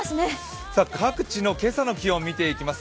各地の今朝の気温、見ていきます。